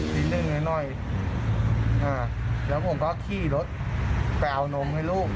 ตีหนึ่งหน่อยแล้วผมก็ขี้รถไปเอานมให้ลูก